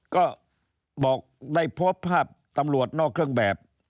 ก็บอกได้พบภาพตำรวจนอกเครื่องแบบ